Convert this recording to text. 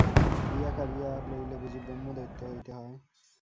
দিয়া কাড়িয়া লইলে বুঝি ব্রহ্মদৈত্য হইতে হয়?